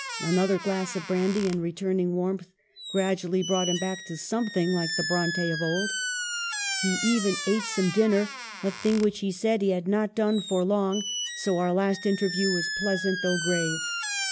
Another glass of brandy, and returning warmth gradually brought him back to something like the Bronte of old. He even ate some dinner, a thing which he said he had not done for long ; so our last interview was pleasant though grave.